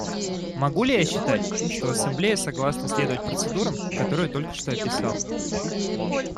Могу ли я считать, что Ассамблея согласна следовать процедурам, которые я только что описал?